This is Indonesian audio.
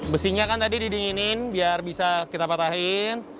besinya kan tadi didinginin biar bisa kita patahin